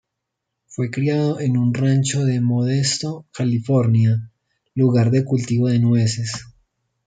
Fue criado en un rancho de Modesto, California, lugar de cultivo de nueces.